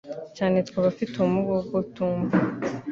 cyane twe abafite ubumuga bwo kutumva.